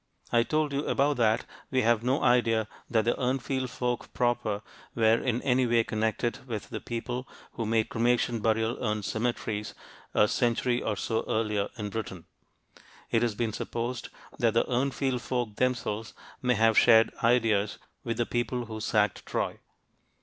I told you above that we have no idea that the Urnfield folk proper were in any way connected with the people who made cremation burial urn cemeteries a century or so earlier in Britain. It has been supposed that the Urnfield folk themselves may have shared ideas with the people who sacked Troy.